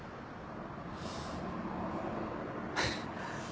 フッ。